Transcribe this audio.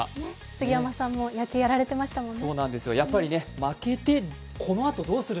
杉山さんも野球やられてましたもんね